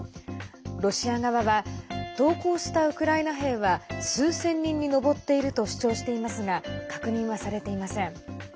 ロシア側は投降したウクライナ兵は数千人に上っていると主張していますが確認はされていません。